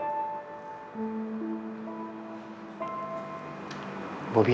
jangan subtitek ncontoh pemanah